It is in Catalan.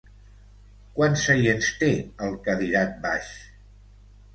Quants seients té el cadirat baix?